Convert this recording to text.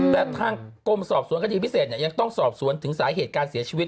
แต่ทางกรมสอบสวนคดีพิเศษยังต้องสอบสวนถึงสาเหตุการเสียชีวิต